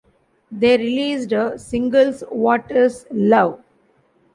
They released singles What Is Love?